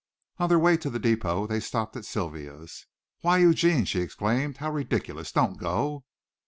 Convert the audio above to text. On the way to the depot they stopped at Sylvia's. "Why, Eugene," she exclaimed, "how ridiculous! Don't go."